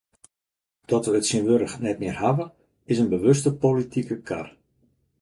Dat we it tsjintwurdich net mear hawwe, is in bewuste politike kar.